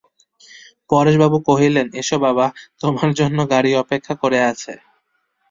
পরেশবাবু কহিলেন, এসো বাবা, তোমার জন্যে গাড়ি অপেক্ষা করে আছে।